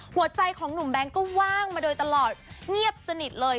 หัวใจของหนุ่มแบงค์ก็ว่างมาโดยตลอดเงียบสนิทเลย